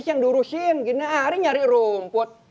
yang diurusin gimana hari nyari rumput